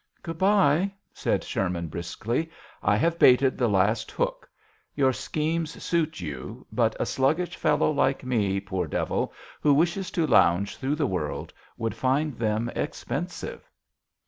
" Good bye,' 1 said Sherman, briskly; " I have baited the last hook. Your schemes suit you, but a sluggish fellow like me, poor devil, who wishes to lounge through the world, would find them expensive."